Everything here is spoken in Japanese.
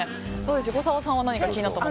横澤さんは何か気になったものは？